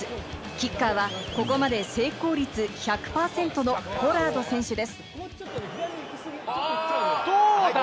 キッカーはここまで成功率１００％のポラード選手です。